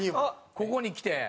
ここにきて。